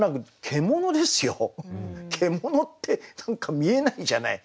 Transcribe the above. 「獣」って何か見えないじゃない。